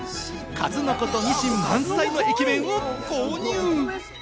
かずのことニシン満載の駅弁を購入。